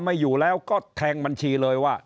ไม่อยู่แล้วก็แทงบัญชีเลยว่า